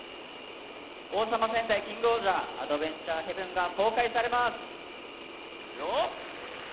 「王様戦隊キングオージャーアドベンチャー・ヘブン」が公開されます。